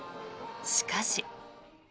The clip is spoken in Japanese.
しかし。